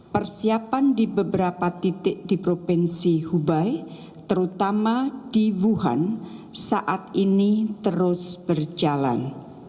persiapan di beberapa titik di provinsi hubei terutama di wuhan saat ini terus berjalan